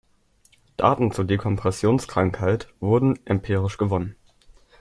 Daten zur Dekompressionskrankheit wurden empirisch gewonnen.